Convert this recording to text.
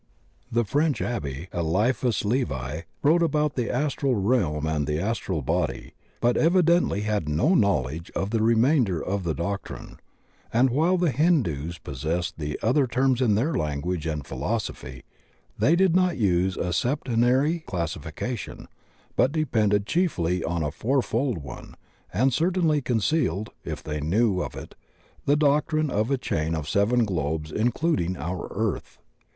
The French Abb6, Eliphas Levi, wrote about the astral reahn and the astral body, but evidently had no knowledge of the remainder of the doctrine, and while the Hindus possessed the other terms in their language and philosophy, they did not use a septenary classification, but depended chiefly on a fourfold one and certainly concealed (if they knew of it) the doctrine of a chain of seven globes including our earth.